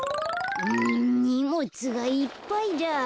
うんにもつがいっぱいだ。